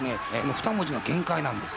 ２文字が限界なんです。